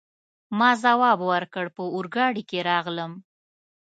ما ځواب ورکړ: په اورګاډي کي راغلم.